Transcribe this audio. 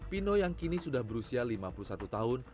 pino yang kini sudah berusia lima puluh satu tahun